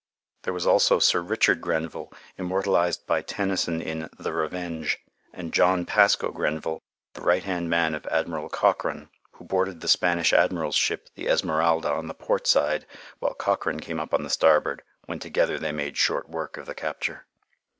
There was also Sir Richard Grenville, immortalized by Tennyson in "The Revenge," and John Pascoe Grenville, the right hand man of Admiral Cochrane, who boarded the Spanish admiral's ship, the Esmeralda, on the port side, while Cochrane came up on the starboard, when together they made short work of the capture.